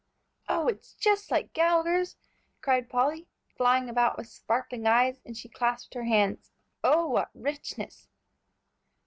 "Oh, it's just like Gallagher's," cried Polly, flying about with sparkling eyes, and she clasped her hands. "Oh, what richness!"